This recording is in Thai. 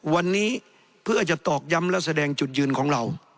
วันนี้เพื่อจะตอกย้ำและแสดงจุดยืนของเรา